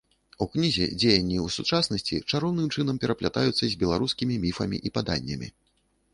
У кнізе дзеянні ў сучаснасці чароўным чынам пераплятаюцца з беларускімі міфамі і паданнямі.